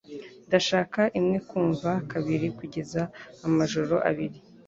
Ndashaka imwe kuva kabiri kugeza amajoro abiri.